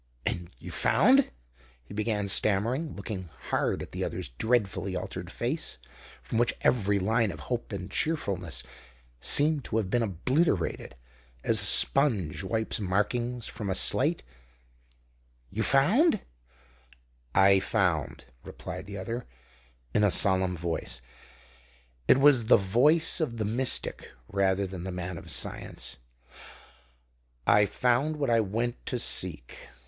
"And you found " he began stammering, looking hard at the other's dreadfully altered face, from which every line of hope and cheerfulness seemed to have been obliterated as a sponge wipes markings from a slate "you found " "I found," replied the other, in a solemn voice, and it was the voice of the mystic rather than the man of science "I found what I went to seek.